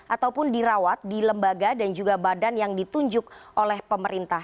ataupun dirawat di lembaga dan juga badan yang ditunjuk oleh pemerintah